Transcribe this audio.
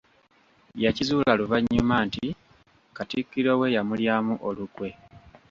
Yakizuula luvannyuma nti katikkiro we yamulyamu olukwe.